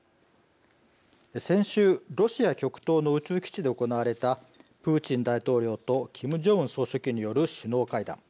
先週ロシア極東の宇宙基地で行われたプーチン大統領とキム・ジョンウン総書記による首脳会談。